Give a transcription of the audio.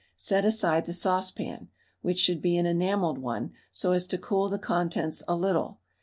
Set aside the saucepan, (which should be an enamelled one) so as to cool the contents a little.